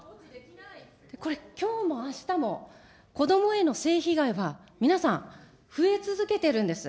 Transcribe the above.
これ、きょうもあしたも、子どもへの性被害は皆さん、増え続けてるんです。